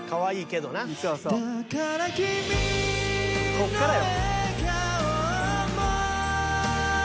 こっからよ。